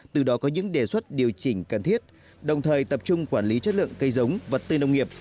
từ đó có những đề xuất điều chỉnh cần thiết đồng thời tập trung quản lý chất lượng cây giống vật tư nông nghiệp